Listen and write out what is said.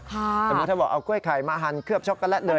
สมมุติถ้าบอกเอากล้วยไข่มาหั่นเคลือบช็อกโกแลตเลย